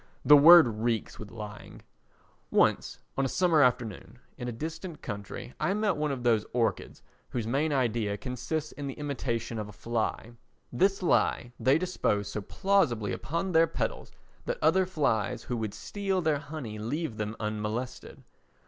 The word reeks with lying. Once, on a summer afternoon, in a distant country I met one of those orchids whose main idea consists in the imitation of a fly; this lie they dispose so plausibly upon their petals that other flies who would steal their honey leave them unmolested.